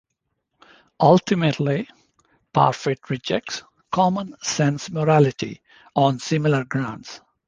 Ultimately, Parfit rejects "common sense morality" on similar grounds.